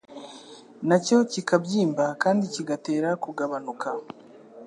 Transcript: nacyo kikabyimba kandi kigatera kugabanuka